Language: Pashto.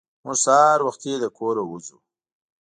موږ سهار وختي له کوره وځو.